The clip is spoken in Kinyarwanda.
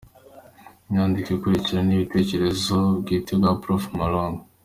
Inyandiko ikurikira ni ibitekerezo bwite bwa Prof Malonga.